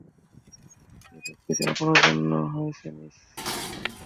এই সব কিছুই আপনার জন্য হয়েছে মিস ব্রিগাঞ্জা।